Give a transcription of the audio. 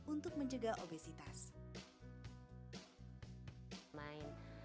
untuk menjaga obesitas